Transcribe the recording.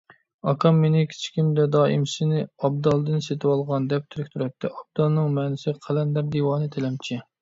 ئاكام مېنى كىچىكىمدە دائىم «سېنى ئابدالدىن سېتىۋالغان» دەپ تېرىكتۈرەتتى. ئابدالنىڭ مەنىسى: قەلەندەر، دىۋانە، تىلەمچى.